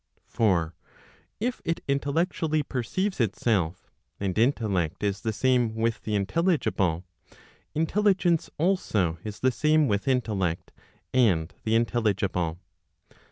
For if it intellectually perceives itself, and intellect is the same with the intelligible, intelligence also is the same with intellect and the intel¬ ligible.